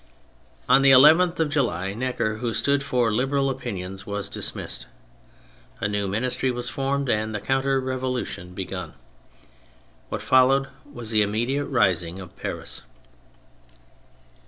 On the 11th of July, Necker, who stood for Liberal opinions, was dismissed. A new ministry was formed, and the counter revolu tion begun. What followed was the immediate rising of Paris.